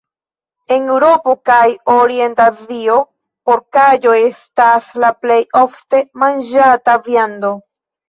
En Eŭropo kaj Orient-Azio porkaĵo estas la plej ofte manĝata viando.